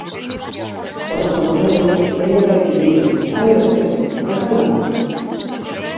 "O noso modelo é o do equilibrio, cal é o seu, o catalán?".